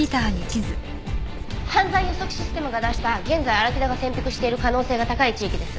犯罪予測システムが出した現在荒木田が潜伏してる可能性が高い地域です。